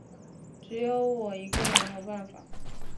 只有我一个没有办法